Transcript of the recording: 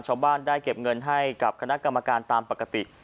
ชาวบ้านได้เก็บเงินให้กับคณะกรรมการตามปกติ